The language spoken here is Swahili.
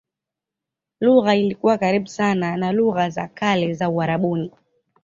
Lugha ilikuwa karibu sana na lugha za kale za Uarabuni.